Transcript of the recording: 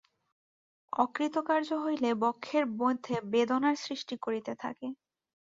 অকৃতকার্য হইলে বক্ষের মধ্যে বেদনার সৃষ্টি করিতে থাকে।